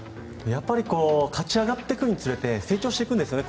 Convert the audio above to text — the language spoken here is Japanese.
やっぱり勝ち上がってくるにつれて成長してくるんですね。